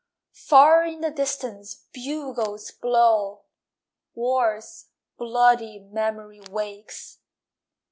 Far in the distance bugles blow, War's bloody memory wakes.